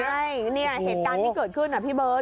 ใช่เนี่ยเหตุการณ์ที่เกิดขึ้นพี่เบิร์ต